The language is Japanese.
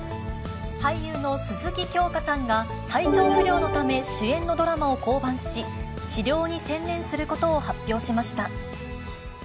俳優の鈴木京香さんが、体調不良のため主演のドラマを降板し、治療に専念することを発表しました。